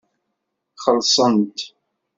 Xellṣent.